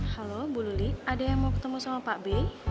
halo bu lili ada yang mau ketemu sama pak b